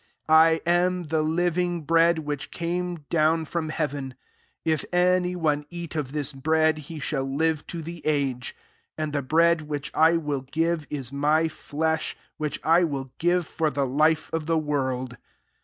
51 I am the living br«ad which came down from heaven: if any one eat of this bread, he shall live to the age: and the bread which I will give, is my flesh [which I will give] for the life of the world."